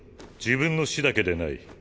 自分の死だけでない。